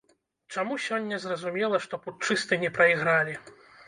Чаму сёння зразумела, што путчысты не прайгралі?